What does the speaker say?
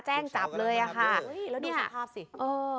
แจ้งจับเลยอ่ะค่ะเฮ้ยแล้วดูสภาพสิเออ